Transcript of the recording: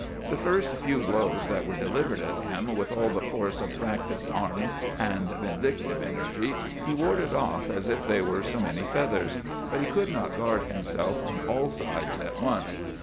The first few blows that were delivered at him, with all the force of practised arms and vindictive energy, he warded off as if they were so many feathers; but he could not guard himself on all sides at once.